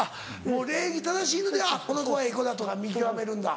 礼儀正しいのでこの子はええ子だとか見極めるんだ。